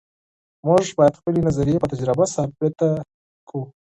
موږ باید خپلې نظریې په تجربه ثابتې کړو.